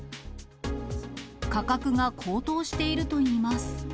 価格が高騰しているといいます。